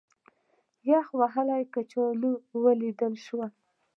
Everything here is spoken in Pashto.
یخ وهلي کچالو ولیدل شول.